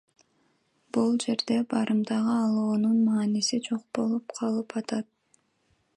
Бул жерде барымтага алуунун мааниси жок болуп калып атат.